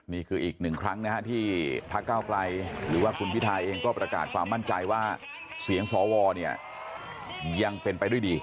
นี่คืออีกหนึ่งครั้งนะฮะที่พระเก้าไกลหรือว่าคุณพิทาเองก็ประกาศความมั่นใจว่าเสียงสวเนี่ยยังเป็นไปด้วยดี